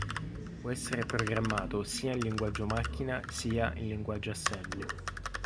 Può essere programmato sia in linguaggio macchina sia in linguaggio Assembly.